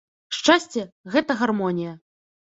Шчасце – гэта гармонія